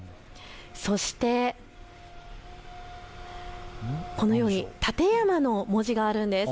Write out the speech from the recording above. そしてこのように館山の文字があるんです。